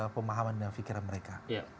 pemahaman dan pikiran mereka